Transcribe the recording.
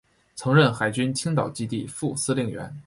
曾任海军青岛基地副司令员。